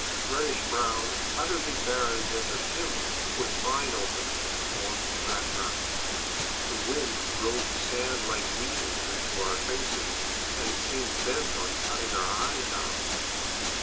Reddish brown, utterly barren desert hills, with mine openings, formed the background. The wind drove the sand like needles into our faces and seemed bent on cutting our eyes out.